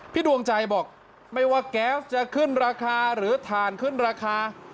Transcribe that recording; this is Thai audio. ดวงใจบอกไม่ว่าแก๊สจะขึ้นราคาหรือถ่านขึ้นราคา